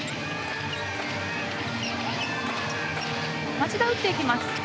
町田打っていきます。